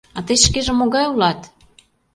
А тый шкеже могай улат?